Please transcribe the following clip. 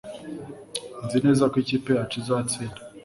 Nzi neza ko ikipe yacu izatsinda